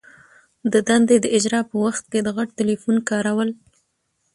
د دندي د اجرا په وخت کي د غټ ټلیفون کارول.